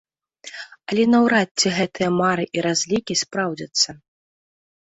Але наўрад ці гэтыя мары і разлікі спраўдзяцца.